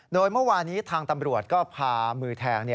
โดยเมื่อวานี้ทางตำรวจก็พามือแทง